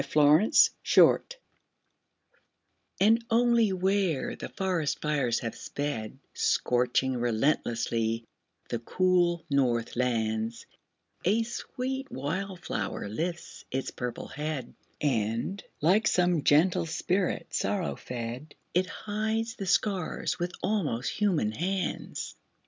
FIRE FLOWERS And only where the forest fires have sped, Scorching relentlessly the cool north lands, A sweet wild flower lifts its purple head, And, like some gentle spirit sorrow fed, It hides the scars with almost human hands.